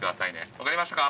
分かりましたか。